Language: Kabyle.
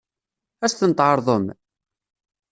Ad as-ten-tɛeṛḍem?